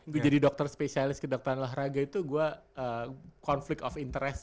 gue jadi dokter spesialis ke dokteran olahraga itu gue conflict of interest